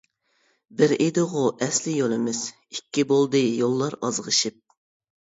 بىر ئىدىغۇ ئەسلى يولىمىز، ئىككى بولدى يوللار ئازغىشىپ.